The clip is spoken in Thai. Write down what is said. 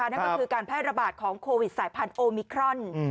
นั่นก็คือการแพร่ระบาดของโควิดสายพันธุมิครอน